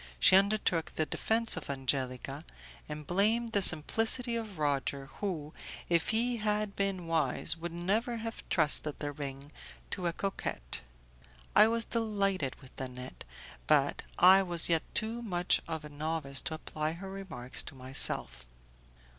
She undertook the defence of Angelica, and blamed the simplicity of Roger, who, if he had been wise, would never have trusted the ring to a coquette. I was delighted with Nanette, but I was yet too much of a novice to apply her remarks to myself.